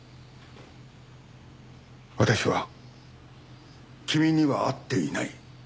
私は君には会っていない。